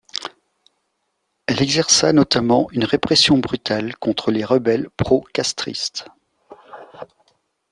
Elle exerça notamment une répression brutale contre les rebelles pro-castristes.